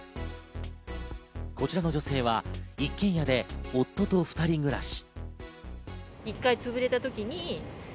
こちらの女性は一軒家で夫と２人暮らし。